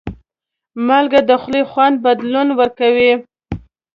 مالګه د خولې خوند بدلون ورکوي.